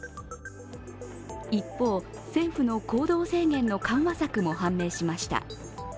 一方、政府の行動制限の緩和策も判明しました。